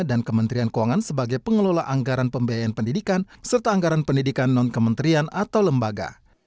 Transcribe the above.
dan kementerian keuangan sebagai pengelola anggaran pembiayaan pendidikan serta anggaran pendidikan non kementerian atau lembaga